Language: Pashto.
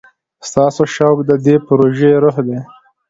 ستاسو شوق د دې پروژې روح دی.